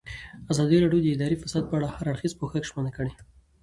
ازادي راډیو د اداري فساد په اړه د هر اړخیز پوښښ ژمنه کړې.